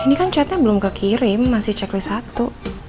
ini kan chatnya belum kekirim masih checklist satu